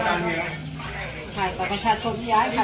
ตัวจัดจุดงาน